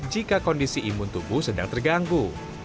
jika kondisi imun tubuh sedang terganggu